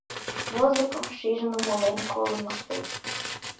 — Музыкым шижын, умылен, колын моштет.